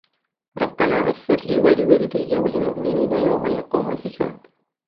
رَبَّنَا اغْفِرْ لِي وَلِوَالِدَيَّ وَلِلْمُؤْمِنِينَ يَوْمَ يَقُومُ الْحِسَابُ